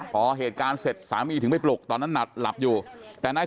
พอเหตุการณ์เสร็จสามีถึงไม่ปลุกตอนนั้นหลับอยู่แต่นาย